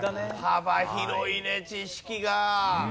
幅広いね知識が。